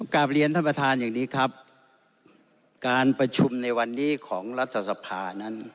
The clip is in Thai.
กลับเรียนท่านประธานอย่างนี้ครับการประชุมในวันนี้ของรัฐสภานั้น